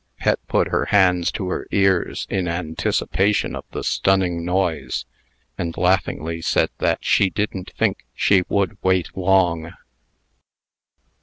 Pet put her hands to her ears, in anticipation of the stunning noise, and laughingly said that she didn't think she would wait long.